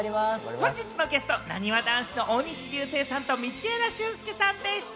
本日のゲスト、なにわ男子の大西流星さんと道枝駿佑さんでした。